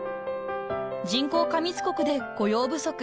［人工過密国で雇用不足］